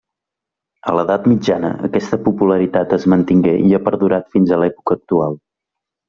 A l'Edat Mitjana aquesta popularitat es mantingué i ha perdurat fins a l'època actual.